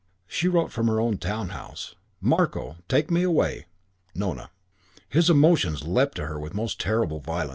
She wrote from their town house: "Marko, take me away Nona." His emotions leapt to her with most terrible violence.